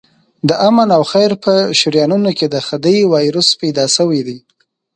د آمن او خیر په شریانونو کې د خدۍ وایروس پیدا شوی دی.